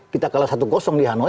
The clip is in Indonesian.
kita kalah satu di hanoi